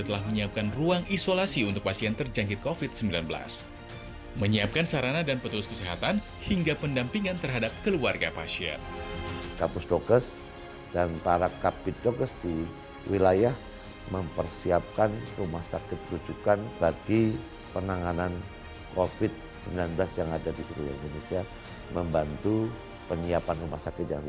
sebagai upaya preventif para personel polri melakukan patroli serta pengawasan